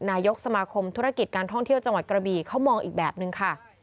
นายกสมาคมธุรกิจการท่องเที่ยวจังหวัดกระบี่เขามองอีกแบบนึงค่ะ